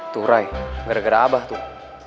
tuh ray gara gara abah tuh